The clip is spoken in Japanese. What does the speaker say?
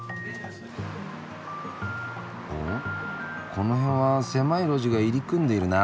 この辺は狭い路地が入り組んでいるな。